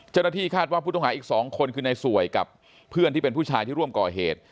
เจ้าหน้าที่คาดว่าผู้ต้องหาอีก๒คนคือในสวยกับเพื่อนที่เป็นผู้ชายที่ร่วมก่อเหตุ